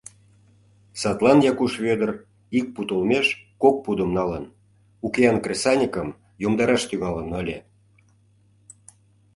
Садлан Якуш Вӧдыр, ик пуд олмеш кок пудым налын, укеан кресаньыкым йомдараш тӱҥалын ыле.